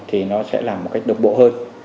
thì nó sẽ làm một cách đồng bộ hơn